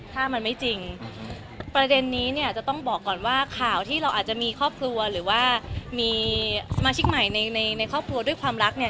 ถ้ามันไม่จริงประเด็นนี้เนี่ยจะต้องบอกก่อนว่าข่าวที่เราอาจจะมีครอบครัวหรือว่ามีสมาชิกใหม่ในในครอบครัวด้วยความรักเนี่ย